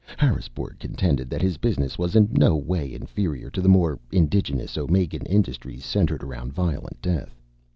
Harrisbourg contended that his business was in no way inferior to the more indigenous Omegan industries centered around violent death.